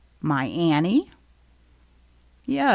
"My Annie?" "Yes.